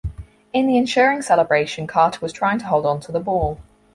In the ensuing celebration Carter was trying to hold onto the ball.